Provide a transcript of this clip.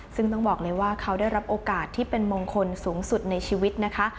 ซึ่งต้องบอกเลยว่าเขาได้รับโอกาสที่เป็นมงคลสูงสุดในชีวิตนะคะ